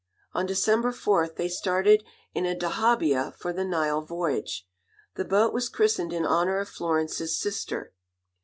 On December 4 they started in a dahabiah for the Nile voyage. The boat was christened in honour of Florence's sister.